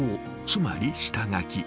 つまり下書き。